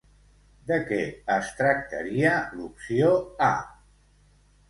De què es tractaria l'opció A?